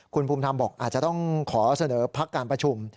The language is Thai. คุณภูมิธรรมบอกอาจจะต้องขอเสนอพักการประชุม